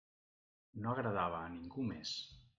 No agradava a ningú més.